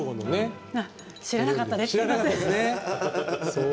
知らなかったです。